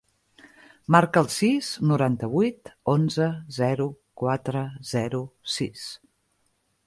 Marca el sis, noranta-vuit, onze, zero, quatre, zero, sis.